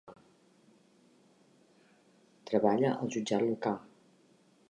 Treballa al jutjat local.